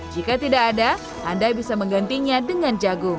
jika tidak ada anda bisa menggantinya dengan jagung